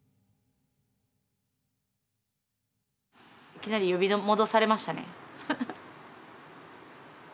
いきなり呼び戻されましたね。